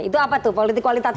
itu apa tuh politik kualitatif